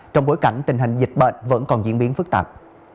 trong bối cảnh tình hình dịch bệnh vẫn còn diễn biến phức tạp